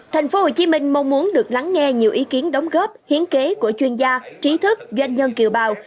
tp hcm mong muốn được lắng nghe nhiều ý kiến đóng góp hiến kế của chuyên gia trí thức doanh nhân kiều bào